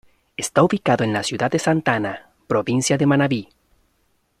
Está ubicado en la ciudad de Santa Ana, provincia de Manabí.